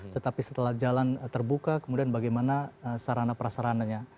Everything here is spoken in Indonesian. tetapi setelah jalan terbuka kemudian bagaimana sarana prasarananya